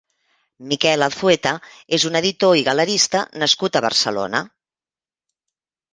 Miquel Alzueta és un editor i galerista nascut a Barcelona.